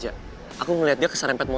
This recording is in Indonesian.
chao ya jam berasa yang nggak kabarnya